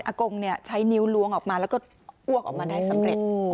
กงใช้นิ้วล้วงออกมาแล้วก็อ้วกออกมาได้สำเร็จ